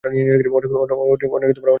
অনেক সুন্দর বাজাও তো।